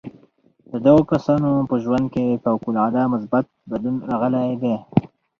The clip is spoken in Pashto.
د دغو کسانو په ژوند کې فوق العاده مثبت بدلون راغلی دی